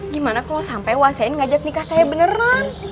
gimana kalo sampe wa saen ngajak nikah saya beneran